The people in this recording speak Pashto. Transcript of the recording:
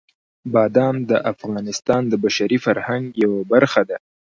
بادام د افغانستان د بشري فرهنګ یوه برخه ده.